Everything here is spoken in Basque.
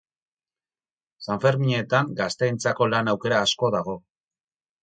Sanferminetan gazteentzako lan aukera asko dago.